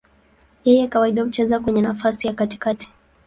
Yeye kawaida hucheza kwenye nafasi ya katikati.